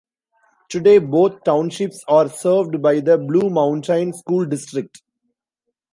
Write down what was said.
Today both townships are served by the Blue Mountain School District.